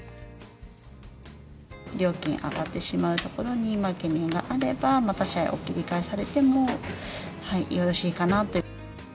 料金上がってしまうところに懸念があれば、他社へお切り替えされてもよろしいかなと。